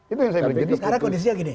itu yang saya beri